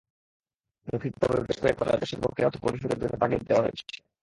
মৌখিকভাবে বেশ কয়েকবার রাজস্বের বকেয়া অর্থ পরিশোধের জন্য তাগিদ দেওয়া হয়েছে।